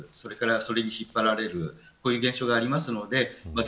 それに引っ張られるそういう現象があります。